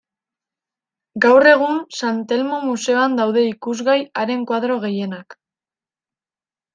Gaur egun San Telmo museoan daude ikusgai haren koadro gehienak.